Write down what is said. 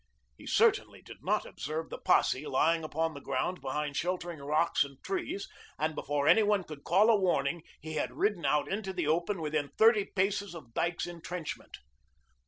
He certainly did not observe the posse lying upon the ground behind sheltering rocks and trees, and before anyone could call a warning, he had ridden out into the open, within thirty paces of Dyke's intrenchment.